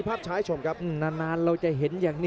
โอ้โหไม่พลาดกับธนาคมโด้แดงเขาสร้างแบบนี้